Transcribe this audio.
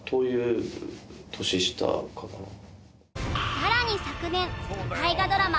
さらに昨年大河ドラマ